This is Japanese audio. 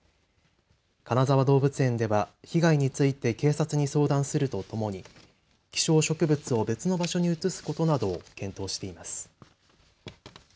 金沢動物園では被害について警察に相談するとともに希少植物を別の場所に移すことなどを検討しています。